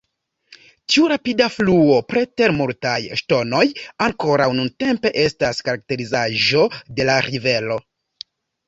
Tiu rapida fluo preter multaj ŝtonoj ankoraŭ nuntempe estas karakterizaĵo de la rivero.